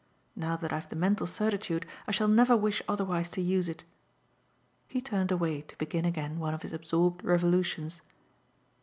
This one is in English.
Now that I've the mental certitude I shall never wish otherwise to use it." He turned away to begin again one of his absorbed revolutions.